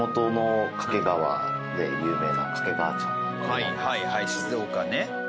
はいはいはい静岡ね。